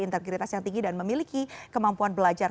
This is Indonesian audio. integritas yang tinggi dan memiliki kemampuan belajar